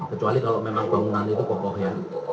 kecuali kalau memang bangunan itu kokohnya